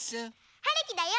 はるきだよ！